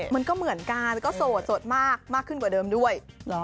มันก็เหมือนกันก็โสดมากขึ้นกว่าเดิมด้วย